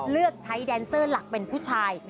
เลือกใช้แดนเซอร์หลักเป็นผู้ชาย